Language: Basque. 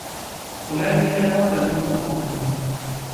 Orain ia erabat galduta dagoena.